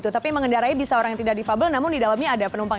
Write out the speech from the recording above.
tapi mengendarai di seorang yang tidak divabel namun di dalamnya ada penumpang